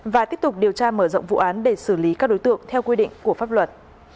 và tiếp tục điều tra mở rộng vụ án để xử lý các đối tượng theo quy định của pháp luật